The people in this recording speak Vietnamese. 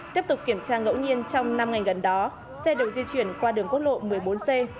tiếp tục kiểm tra ngẫu nhiên trong năm ngày gần đó xe được di chuyển qua đường quốc lộ một mươi bốn c